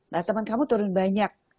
nah teman kamu turun banyak